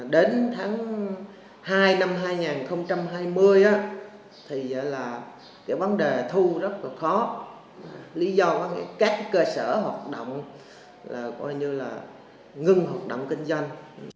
đến tháng hai năm hai nghìn hai mươi thì là cái vấn đề thu rất là khó lý do các cơ sở hoạt động là ngưng hoạt động kinh doanh